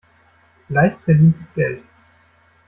Leicht verdientes Geld.